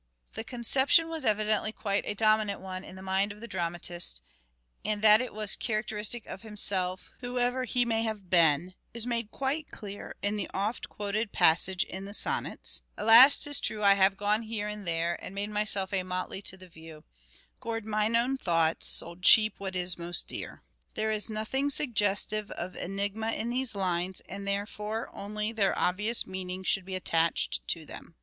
The conception was evidently quite a dominant one in the mind of the dramatist, and that it was charac MANHOOD OF DE VERB : MIDDLE PERIOD 303 teristic of himself, whoever he may have been, is made quite clear in the oft quoted passage in the Sonnets :" Alas 'tis true I have gone here and there And made myself a motley to the view, Gored mine own thoughts, sold cheap what is most dear .'' There is nothing suggestive of enigma in these lines, and therefore, only their obvious meaning should be attached to them.